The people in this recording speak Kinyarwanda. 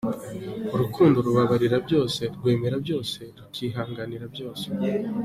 Urukundo rubabarira byose, rwemera byose, rukihanganira byose.